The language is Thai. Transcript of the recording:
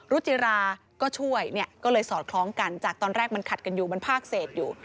รุจิราก็ช่วยเนี่ยก็เลยสอดคล้องกันจากตอนแรกมันขัดกันอยู่มันภาคเศษอยู่